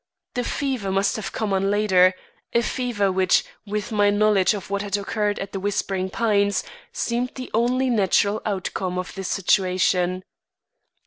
The fever must have come on later a fever which with my knowledge of what had occurred at The Whispering Pines, seemed the only natural outcome of the situation.